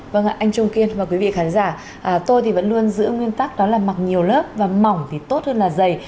vâng ạ anh trung kiên và quý vị khán giả tôi thì vẫn luôn giữ nguyên tắc đó là mặc nhiều lớp và mỏng thì tốt hơn là dày